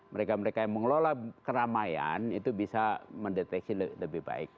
mereka mereka yang mengelola keramaian itu bisa mendeteksi lebih baik